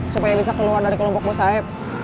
supaya bisa keluar dari kelompok bos saeb